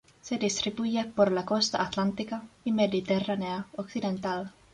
Se distribuye por la costa Atlántica y Mediterránea occidental.